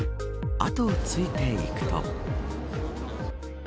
後をついていくと。